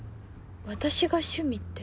私が趣味って？